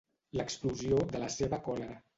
L'explosió de la seva còlera.